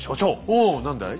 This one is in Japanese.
おお何だい？